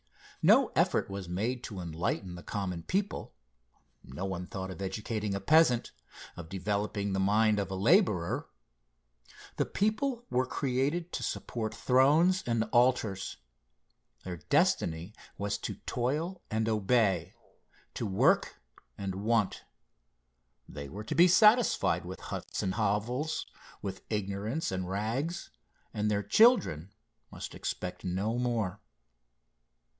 No effort was made to enlighten the common people; no one thought of educating a peasant of developing the mind of a laborer. The people were created to support thrones and altars. Their destiny was to toil and obey to work and want. They were to be satisfied with huts and hovels, with ignorance and rags, and their children must expect no more.